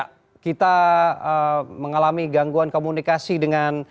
karena kita mengalami gangguan komunikasi dengan